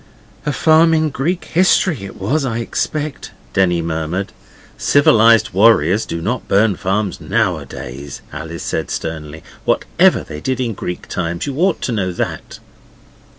'A farm in Greek history it was, I expect,' Denny murmured. 'Civilized warriors do not burn farms nowadays,' Alice said sternly, 'whatever they did in Greek times. You ought to know that.